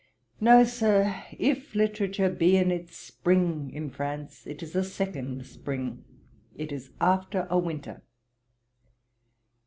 No, Sir, if literature be in its spring in France, it is a second spring; it is after a winter.